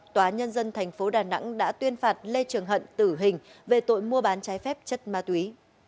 tòa nhân dân thành phố đà nẵng đã tuyên phạt lê trường hận tử hình về tội mua bán trái phép chất ma túy